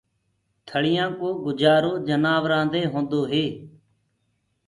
ٿݪيآ ڪو گُجآرو جنآورآنٚ دي هونٚدوئي